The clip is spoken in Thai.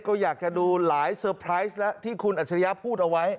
ก็อยากจะดูหลายเซอร์ไพรส์แล้วที่คุณอัจฉริยะพูดเอาไว้